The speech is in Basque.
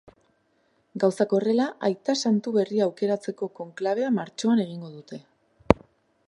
Gauzak horrela, aita santu berria aukeratzeko konklabea martxoan egingo dute.